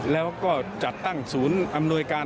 แล้วก็จัดตั้งศูนย์อำนวยการ